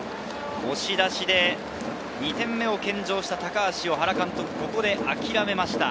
押し出しで２点目を献上した高橋を原監督はここで諦めました。